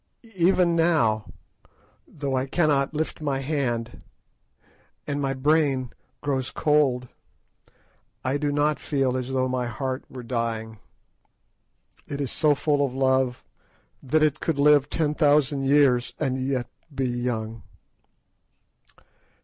Even now, though I cannot lift my hand, and my brain grows cold, I do not feel as though my heart were dying; it is so full of love that it could live ten thousand years, and yet be young.